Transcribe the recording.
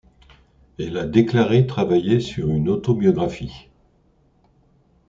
Elle a déclaré travailler sur une autobiographie.